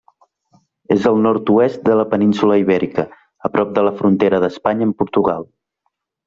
És al nord-oest de la península Ibèrica, a prop de la frontera d'Espanya amb Portugal.